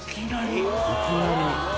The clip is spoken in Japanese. いきなり！